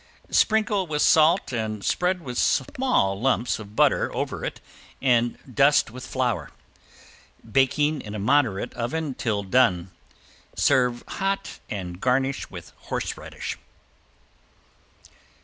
Sprinkle with salt and spread some small lumps of butter over it and dust with flour, baking in a moderate oven till done. Serve hot and garnish with horseradish.